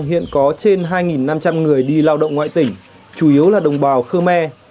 hiện có trên hai năm trăm linh người đi lao động ngoại tỉnh chủ yếu là đồng bào khơ me